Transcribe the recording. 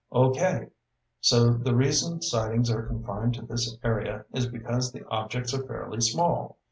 "Okay. So the reason sightings are confined to this area is because the objects are fairly small.